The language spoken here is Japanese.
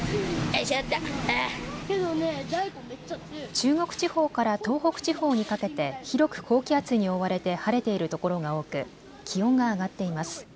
中国地方から東北地方にかけて広く高気圧に覆われて晴れているところが多く気温が上がっています。